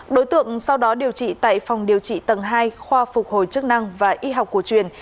đối tượng sau đó điều trị tại phòng điều trị tầng hai khoa phục hồi chức năng và y học cổ truyền